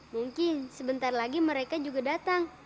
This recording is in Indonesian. mungkin sebentar lagi mereka juga datang